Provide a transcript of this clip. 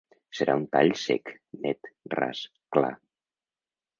Serà un tall sec, net, ras, clar.